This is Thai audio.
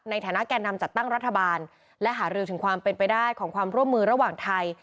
ในฐานะแก่นำจัดตั้งรัฐบาลและหารือถึงความเป็นไปได้ของความร่วมมือระหว่างไทย